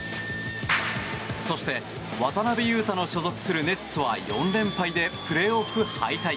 そして、渡邊雄太の所属するネッツは４連敗でプレーオフ敗退。